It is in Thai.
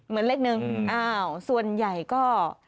เหมือนเล็กหนึ่งส่วนใหญ่ก็